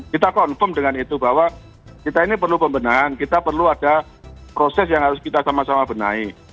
kita confirm dengan itu bahwa kita ini perlu pembenahan kita perlu ada proses yang harus kita sama sama benahi